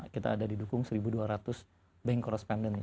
kita ada didukung satu dua ratus bank korresponden